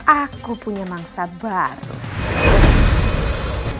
aku punya mangsa baru